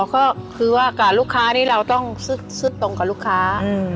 ก็คือว่าลูกค้านี้เราต้องซึดตรงกับลูกค้า